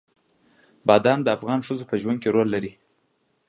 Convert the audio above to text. بادام د افغان ښځو په ژوند کې رول لري.